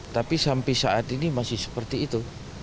tapi sampai saat ini masih seperti itu